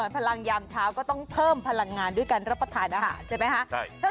พลังยามเช้าก็ต้องเพิ่มพลังงานด้วยการรับประทานอาหารใช่ไหมคะ